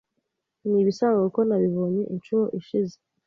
Nibisanzwe kuko nabibonye inshuro ishize.